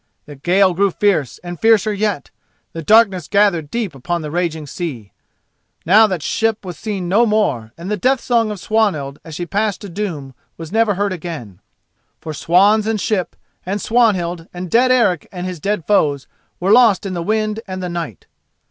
The gale grew fierce, and fiercer yet. The darkness gathered deep upon the raging sea. Now that ship was seen no more, and the death song of Swanhild as she passed to doom was never heard again. For swans and ship, and Swanhild, and dead Eric and his dead foes, were lost in the wind and the night.